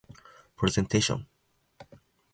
プレゼンテーション